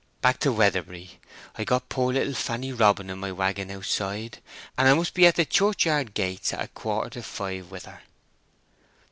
"Back to Weatherbury. I've got poor little Fanny Robin in my waggon outside, and I must be at the churchyard gates at a quarter to five with her."